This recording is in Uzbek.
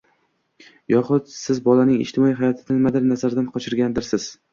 yohud Siz bolaning ijtimoiy hayotida nimanidir nazardan qochirgandirsiz.